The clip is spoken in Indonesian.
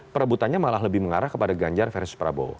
perebutannya malah lebih mengarah kepada ganjar versus prabowo